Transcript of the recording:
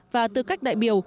và tư cách đại biểu